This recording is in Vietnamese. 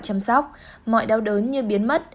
chăm sóc mọi đau đớn như biến mất